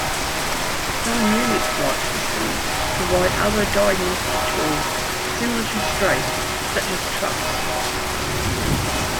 Some Unix-like systems provide other diagnostic tools similar to strace, such as truss.